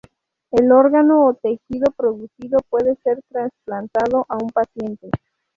El órgano o tejido producido puede ser trasplantado a un paciente.